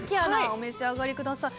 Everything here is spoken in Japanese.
お召し上がりください。